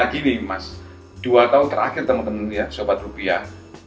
gini mas dua tahun terakhir teman teman ya sobat rupiah